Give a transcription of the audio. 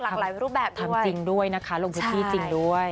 หลากหลายรูปแบบทำจริงด้วยนะคะลงพื้นที่จริงด้วย